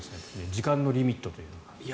時間のリミットというのが。